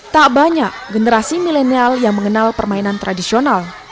tak banyak generasi milenial yang mengenal permainan tradisional